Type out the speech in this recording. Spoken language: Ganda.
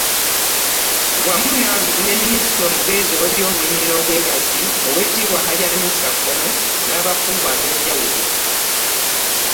Wamu ne minisita omubeezi ow'obulimi n'Obwegassi, Oweekitiibwa Hajji Amisi Kakomo n'Abakungu ab'enjawulo.